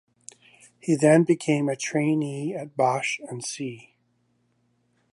He then became a trainee at Bache and C.